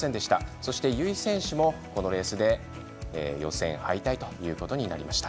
そして、由井選手もこのレースで予選敗退となりました。